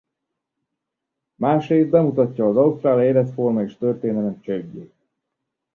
Másrészt bemutatja az ausztrál életforma és történelem csődjét.